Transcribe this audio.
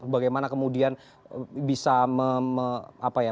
bagaimana kemudian bisa